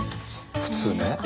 普通ね